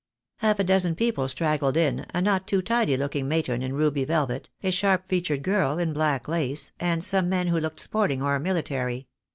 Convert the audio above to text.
Half a dozen people straggled in, a not too tidy look ing matron in ruby velvet, a sharp featured girl in black lace, and some men who looked sporting or military.